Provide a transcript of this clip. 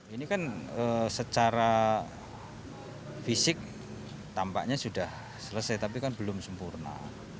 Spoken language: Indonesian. ini kan secara fisik tampaknya sudah selesai tapi kan belum sempurna